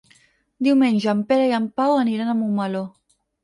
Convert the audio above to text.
Diumenge en Pere i en Pau aniran a Montmeló.